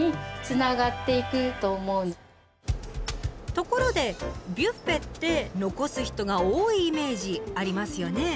ところでビュッフェって残す人が多いイメージありますよね？